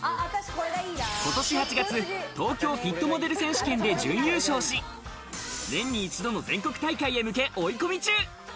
今年８月、東京フィットモデル選手権で準優勝し、年に一度の全国大会へ向け、追い込み中！